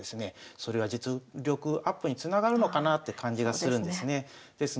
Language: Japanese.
それは実力アップにつながるのかなって感じがするんですね。